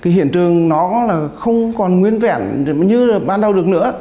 hiện trường nó không còn nguyên vẹn như là ban đầu được nữa